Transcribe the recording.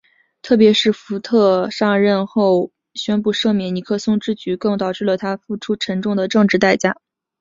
特别是福特上任后宣布特赦尼克松之举更导致他付出了沉重的政治代价。